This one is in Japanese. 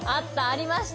ありました。